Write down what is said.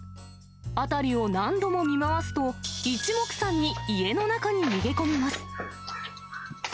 辺りを何度も見回すと、一目散に家の中に逃げ込みます。